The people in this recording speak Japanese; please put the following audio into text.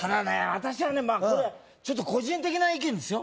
私はこれちょっと個人的な意見ですよ